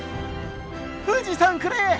富士山くれ！